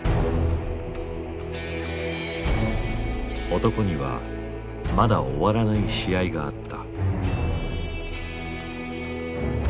男にはまだ終わらない試合があった。